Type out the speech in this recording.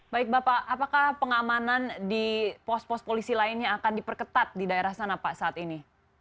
baik bapak apakah pengamanan di pos pos polisi lainnya akan diperketat di daerah sana pak saat ini